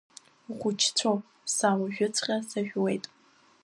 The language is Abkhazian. Ухәыҷцәоуп, са уажәыҵәҟьа сажәуеит.